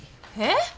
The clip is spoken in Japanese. えっ！？